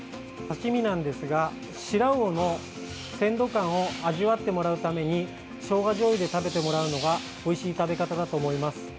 刺身なんですが、シラウオの鮮度感を味わってもらうためにしょうがじょうゆで食べてもらうのがおいしい食べ方だと思います。